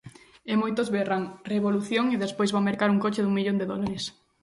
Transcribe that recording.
E moitos berran revolución e despois van mercar un coche dun millón de dólares.